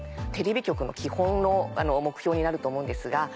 テレビ局の基本の目標になると思うんですが。